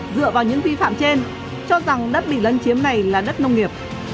dựa vào những vi phạm trên cho rằng đất bị lân chiếm này là đất nông nghiệp